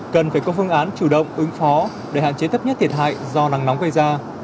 cần phải có phương án chủ động ứng phó để hạn chế thấp nhất thiệt hại do nắng nóng gây ra